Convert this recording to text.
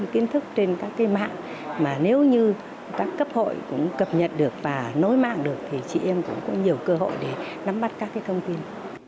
kiến thức trên các mạng mà nếu như các cấp hội cũng cập nhật được và nối mạng được thì chị em cũng có nhiều cơ hội để nắm bắt các thông tin